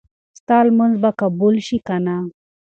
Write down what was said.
ستا لمونځ به قبول شي که نه؟